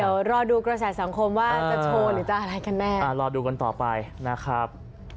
เดี๋ยวรอดูกระแสสังคมว่าจะโชว์หรือจะอะไรกันแน่อ่ารอดูกันต่อไปนะครับ